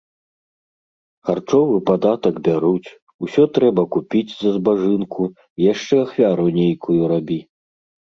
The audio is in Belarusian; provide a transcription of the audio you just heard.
Харчовы падатак бяруць, усё трэба купiць за збажынку i яшчэ ахвяру нейкую рабi...